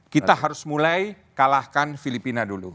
kita harus mulai kalahkan filipina dulu